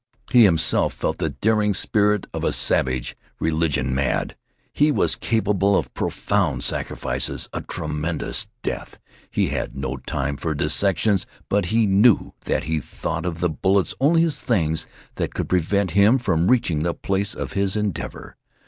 He himself felt the daring spirit of a savage religion mad. He was capable of profound sacrifices, a tremendous death. He had no time for dissections, but he knew that he thought of the bullets only as things that could prevent him from reaching the place of his endeavor.